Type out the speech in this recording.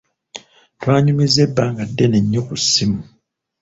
Twanyumizza ebbanga ddene nnyo ku ssimu.